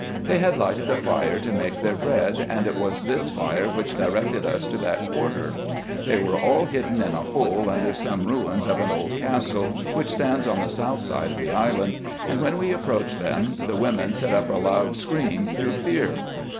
They had lighted a fire to make their bread, and it was this fire which directed us to that quarter. They were all hidden in a hole under some ruins of an old castle, which stands on the south side of the island ; and when we approached them, the women set up a loud scream through fear.